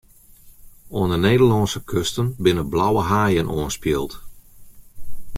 Oan 'e Nederlânske kusten binne blauwe haaien oanspield.